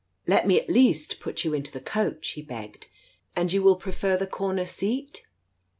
..." "Let me at least put you into the coach," he begged. " And you will prefer the corner seat